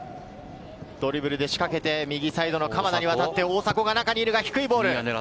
ドリブルで仕掛けて右サイドの鎌田にわたって大迫が中にいるが低いボール。